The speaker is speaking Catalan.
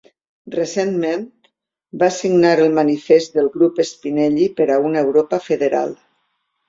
Recentment, va signar el Manifest del Grup Spinelli per a una Europa federal.